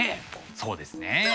そうですね。